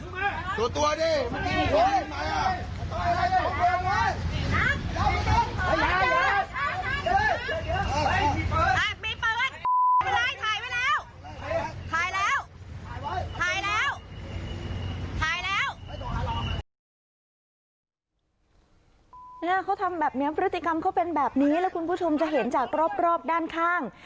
เนี่ยเขาทำแบบนี้พฤติกรรมเขาเป็นแบบนี้แล้วคุณผู้ชมจะเห็นจากรอบด้านข้าง